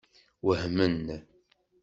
Wehmen?